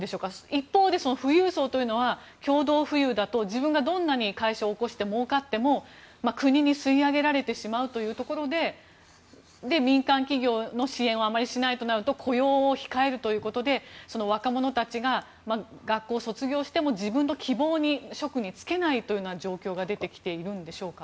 一方で、富裕層は共同富裕だと自分がどんなに会社を興して、もうかっても国に吸い上げられてしまうというところで民間企業の支援をあまりしないとなると雇用を控えるということで若者たちが学校卒業しても自分の希望の職に就けないというような状況が出てきているんでしょうか。